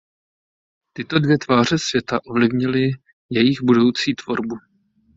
Tyto dvě tváře světa ovlivnily jejich budoucí tvorbu.